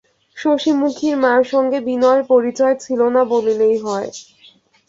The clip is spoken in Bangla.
শশিমুখীর মার সঙ্গে বিনয়ের পরিচয় ছিল না বলিলেই হয়।